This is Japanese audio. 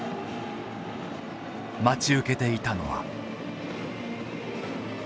待ち受けていたのは。